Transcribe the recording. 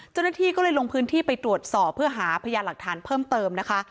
เจ้าหน้าที่ก็เลยลงพื้นที่ไปตรวจสอบเพื่อหาพยานหลักฐานเพิ่มเติมนะคะ